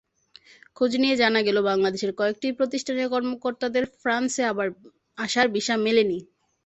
খোঁজ নিয়ে জানা গেল, বাংলাদেশের কয়েকটি প্রতিষ্ঠানের কর্মকর্তাদের ফ্রান্সে আসার ভিসা মেলেনি।